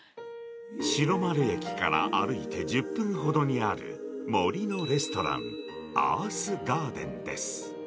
白丸駅から歩いて１０分ほどにある森のレストラン、アースガーデンです。